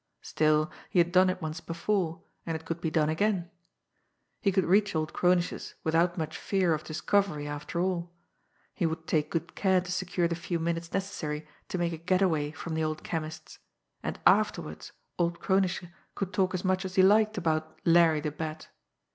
Still, he had done it once before, and it could be done again. He could reach old Kronische's without much fear of discovery after all, he would take good care to secure the few minutes necessary to make a "getaway" from the old chemist's, and afterwards old Kronische could talk as much as he liked about Larry the Bat!